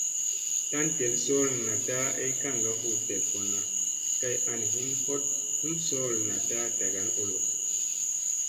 Tlan ɗel sool naɗta ay kaŋga hu telfunna kay an hin hoɗ hum sool naɗta ɗagan olo.